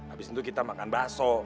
abis itu kita makan bakso